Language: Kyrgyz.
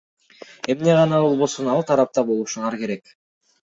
Эмне гана болбосун ал тарапта болушуңар керек.